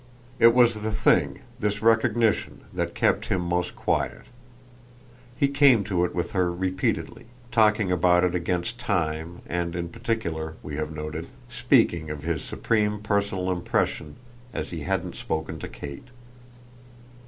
It was the thing, this recognition, that kept him most quiet; he came to it with her repeatedly; talking about it against time and, in particular, we have noted, speaking of his supreme personal impression as he hadn't spoken to Kate.